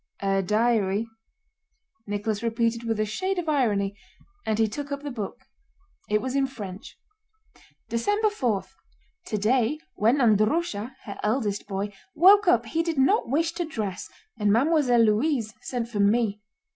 "A diary?" Nicholas repeated with a shade of irony, and he took up the book. It was in French. December 4. Today when Andrúsha (her eldest boy) woke up he did not wish to dress and Mademoiselle Louise sent for me.